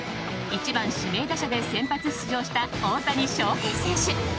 １番、指名打者で先発出場した大谷翔平選手。